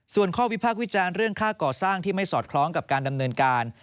ส่วนข้อวิพากษ์วิจารณ์เรื่องค่าก่อสร้างที่ไม่สอดคล้องกับการดำเนินการ